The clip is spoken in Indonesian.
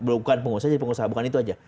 bukan pengusaha jadi pengusaha bukan itu aja